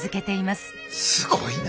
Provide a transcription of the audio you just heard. すごいな。